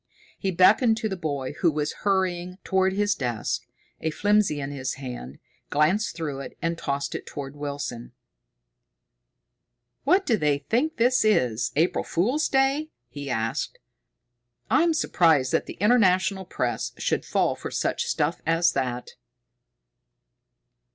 He beckoned to the boy who was hurrying toward his desk, a flimsy in his hand, glanced through it, and tossed it toward Wilson. "What do they think this is, April Fool's Day?" he asked. "I'm surprised that the International Press should fall for such stuff as that!"